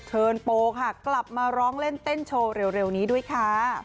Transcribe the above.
โปค่ะกลับมาร้องเล่นเต้นโชว์เร็วนี้ด้วยค่ะ